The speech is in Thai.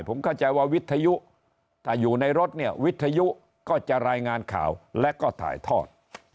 ผมเข้าใจว่าวิทยุถ้าอยู่ในรถเนี่ยวิทยุก็จะรายงานข่าวและก็ถ่ายทอด